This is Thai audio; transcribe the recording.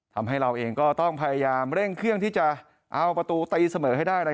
ทำให้เราเองก็ต้องพยายามเร่งเครื่องที่จะเอาประตูตีเสมอให้ได้